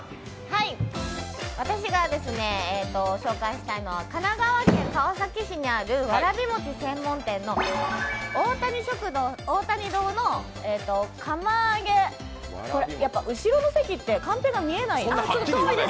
私が紹介したいのは神奈川県川崎市にあるわらび餅専門店の大谷堂の後ろの席ってカンペが見えない。